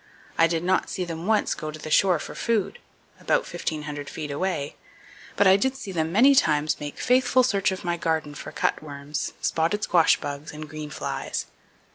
I did not see them once go to the shore for food (shore about 1,500 feet away), but I did see them many times make faithful search of my garden for cutworms, [Page 232] spotted squash bugs, and green flies.